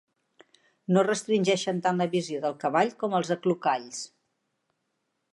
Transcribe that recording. No restringeixen tant la visió del cavall com els aclucalls.